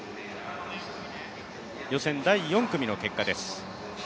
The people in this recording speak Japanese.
予選第４組の結果です。